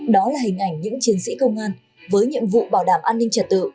đó là hình ảnh những chiến sĩ công an với nhiệm vụ bảo đảm an ninh trật tự